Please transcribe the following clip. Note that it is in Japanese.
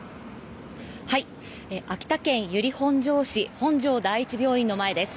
秋田県由利本荘市本荘第一病院の前です。